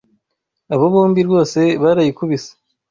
Abo bombi rwose barayikubise.